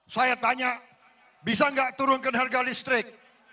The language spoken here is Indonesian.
saya tanya bisa nggak turunkan harga listrik